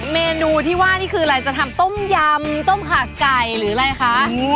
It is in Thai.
เมนูที่ว่านี่คืออะไรจะทำต้มยำต้มขาไก่หรืออะไรคะ